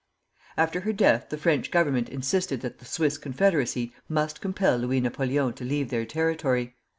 After her death the French Government insisted that the Swiss Confederacy must compel Louis Napoleon to leave their territory.